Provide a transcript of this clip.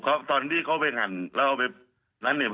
เขาตอนที่เขาไปหั่นแล้วเอาไปร้านเนี่ย